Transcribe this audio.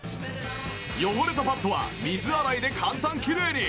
汚れたパッドは水洗いで簡単きれいに。